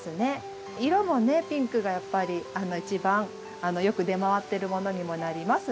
色もねピンクがやっぱり一番よく出回ってるものにもなります。